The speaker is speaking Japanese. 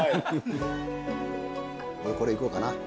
これいこうかな。